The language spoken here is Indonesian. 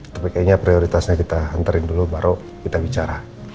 tapi kayaknya prioritasnya kita hantarin dulu baru kita bicara